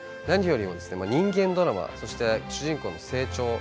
何よりも人間ドラマそして主人公の成長